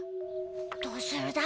どうするだ？